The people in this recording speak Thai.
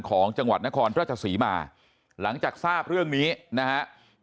ของจังหวัดนครราชศรีมาหลังจากทราบเรื่องนี้นะครับ